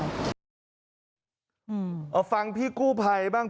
เอาฟังพี่กู้ภัยบ้าง